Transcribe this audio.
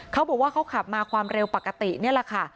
เขาบอกว่าเขาขับมาความเร็วปกตินี่แหละค่ะ